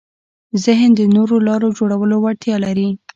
ذهن د نوو لارو جوړولو وړتیا لري.